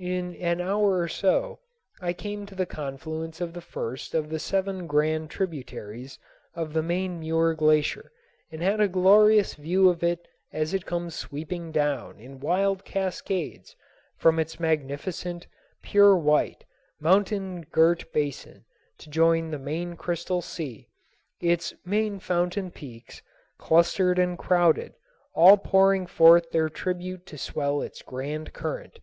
In an hour or so I came to the confluence of the first of the seven grand tributaries of the main Muir Glacier and had a glorious view of it as it comes sweeping down in wild cascades from its magnificent, pure white, mountain girt basin to join the main crystal sea, its many fountain peaks, clustered and crowded, all pouring forth their tribute to swell its grand current.